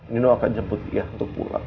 nino akan jemput dia untuk pulang